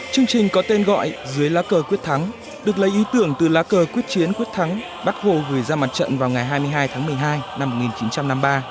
chương trình có tên gọi dưới lá cờ quyết thắng được lấy ý tưởng từ lá cờ quyết chiến quyết thắng bắt hồ gửi ra mặt trận vào ngày hai mươi hai tháng một mươi hai năm một nghìn chín trăm năm mươi ba